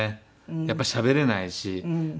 やっぱりしゃべれないし。